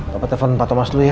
papa telfon pak thomas dulu ya